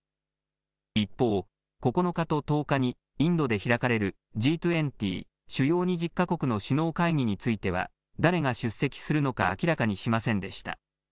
一方、９日と１０日にインドで開かれる、Ｇ２０・主要２０か国の首脳会議については、誰が出席するのか明らかにしませんでした。